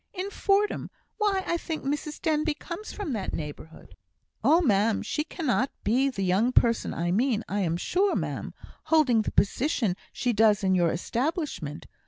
"In Fordham! Why, I think Mrs Denbigh comes from that neighbourhood." "Oh, ma'am! she cannot be the young person I mean I am sure, ma'am holding the position she does in your establishment.